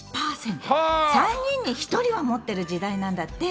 ３人に１人は持ってる時代なんだって。